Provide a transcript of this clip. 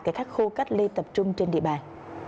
tại các khu cách ly tập trung trên địa bàn